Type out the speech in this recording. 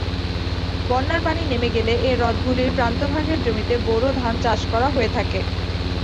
বন্যার পানি নেমে গেলে এ হ্রদগুলির প্রান্তভাগের জমিতে বোরো ধান চাষ করা হয়ে থাকে।